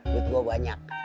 buat gua banyak